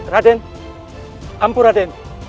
raden ampun raden